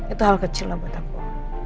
itu hal kecil lah buat aku